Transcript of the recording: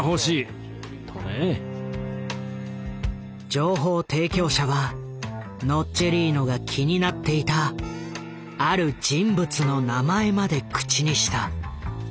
情報提供者はノッチェリーノが気になっていたある人物の名前まで口にした。